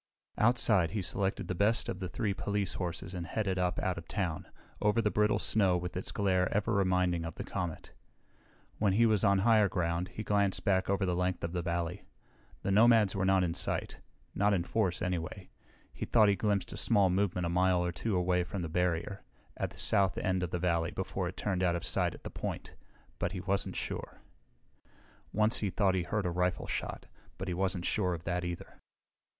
Outside, he selected the best of the three police horses and headed up out of town, over the brittle snow with its glare ever reminding of the comet. When he was on higher ground, he glanced back over the length of the valley. The nomads were not in sight. Not in force, anyway. He thought he glimpsed a small movement a mile or two away from the barrier, at the south end of the valley before it turned out of sight at the point, but he wasn't sure. Once he thought he heard a rifle shot, but he wasn't sure of that, either.